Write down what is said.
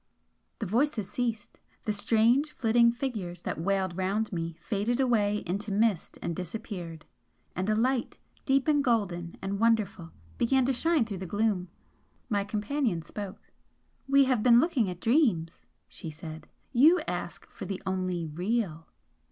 The voices ceased the strange flitting figures that wailed round me faded away into mist, and disappeared and a light, deep and golden and wonderful, began to shine through the gloom. My companion spoke. "We have been looking at dreams," she said "You ask for the only Real!"